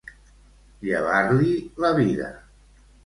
Llevar-li la vida.